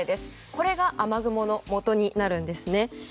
これが雨雲のもとになるんです。